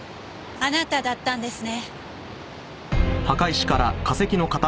あなただったんですね。